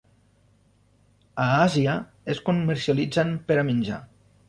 A Àsia es comercialitzen per a menjar.